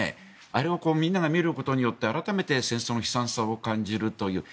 あれをみんなが見ることで改めて戦争の悲惨さを感じるという。